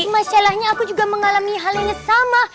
masalahnya aku juga mengalami hal yang sama